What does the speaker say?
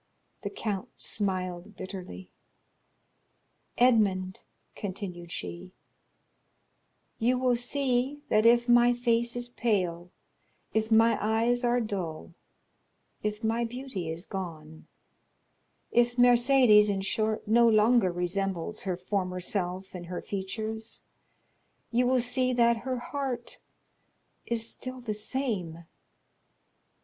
The count smiled bitterly. "Edmond," continued she, "you will see that if my face is pale, if my eyes are dull, if my beauty is gone; if Mercédès, in short, no longer resembles her former self in her features, you will see that her heart is still the same.